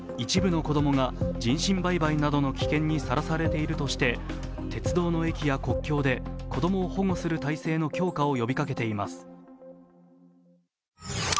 一部の子供が人身売買などの危険性にさらされているとして鉄道の駅や国境で子供を保護する体制の強化を呼びかけています。